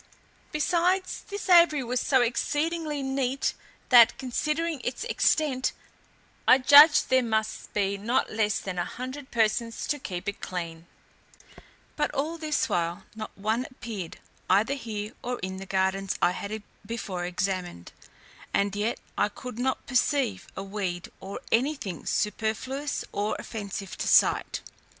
Besides, this aviary was so exceedingly neat, that, considering its extent, I judged there must be not less than a hundred persons to keep it clean; but all this while not one appeared, either here or in the gardens I had before examined; and yet I could not perceive a weed, or any thing superfluous or offensive to sight.